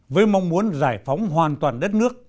với mong muốn giải phóng hoàn toàn đất nước